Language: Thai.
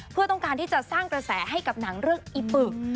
เพื่อต้องการที่จะสร้างกระแสให้กับหนังเรื่องอีปึก